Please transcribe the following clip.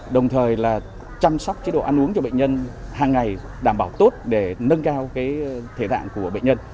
đồng thời là chăm sóc chế độ ăn uống cho bệnh nhân hàng ngày đảm bảo tốt để nâng cao thể tạng của bệnh nhân